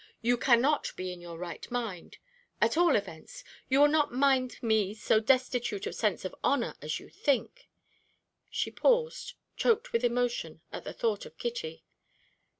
You cannot be in your right mind; at all events, you will not find me so destitute of sense of honour as you think." She paused, choked with emotion at the thought of Kitty.